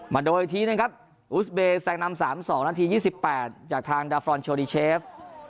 มาดูอีกทีนะครับอุสเบย์แซงนำ๓๒นาที๒๘จากทางดาฟรอนโชดีเชฟ